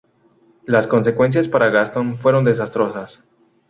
Las consecuencias para Gastón fueron desastrosas.